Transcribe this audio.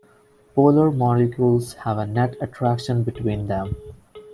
Polar molecules have a net attraction between them.